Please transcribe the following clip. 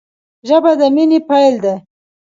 ژبه د مینې پیل دی